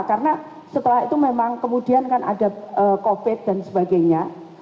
karena setelah itu memang kemudian kan ada covid dan sebagainya